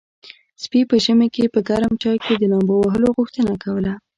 سپي په ژمي کې په ګرم چای کې د لامبو وهلو غوښتنه کوله.